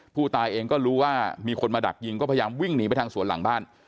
ผู้ตายเองก็รู้ว่ามีคนมาดักยิงก็พยายามวิ่งหนีไปทางสวนหลังบ้าน